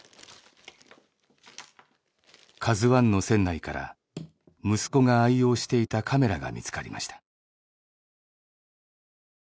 ＫＡＺＵⅠの船内から息子が愛用していたカメラが見つかりました。